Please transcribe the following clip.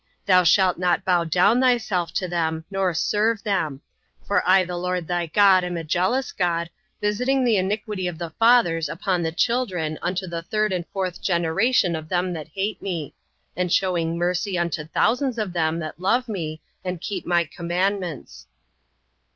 Thou shalt not bow down thyself to them, nor serve them: for I the LORD thy God am a jealous God, visiting the iniquity of the fathers upon the children unto the third and fourth generation of them that hate me; and shewing mercy unto thousands of them that love me, and keep my commandments.